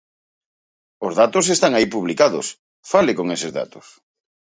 Os datos están aí publicados, fale con eses datos.